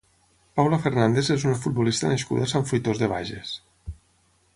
Paula Fernández és una futbolista nascuda a Sant Fruitós de Bages.